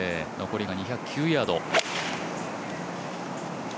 残りが２０９ヤード。